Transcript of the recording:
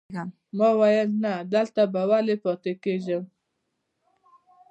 ما ویل نه، دلته به ولې پاتې کېږم.